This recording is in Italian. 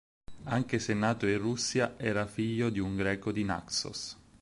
Anche se nato in Russia, era figlio di un greco di Naxos.